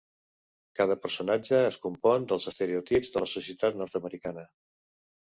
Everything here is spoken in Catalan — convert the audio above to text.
Cada personatge es compon dels estereotips de la societat nord-americana.